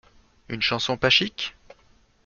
Une chanson pas chic ?